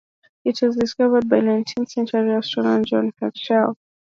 It was discovered by nineteenth Century Astronomer John Herschel.